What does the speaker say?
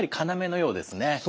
そうですね。